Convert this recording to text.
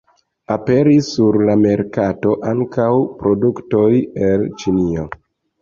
Aperis sur la merkato ankaŭ produktoj el Ĉinio.